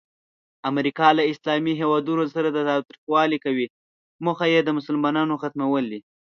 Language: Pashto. امریکا له اسلامي هیوادونو سره تاوتریخوالی کوي، موخه یې د مسلمانانو ختمول دي.